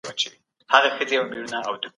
څوک د درسي کتابونو د کیفیت د ښه والي مسوولیت لري؟